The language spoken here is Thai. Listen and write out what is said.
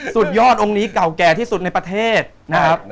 สุดยอดองค์นี้เก่าแก่ที่สุดในประเทศนะครับ